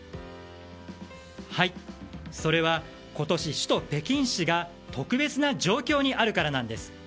それは、今年首都・北京市が特別な状況にあるからなんです。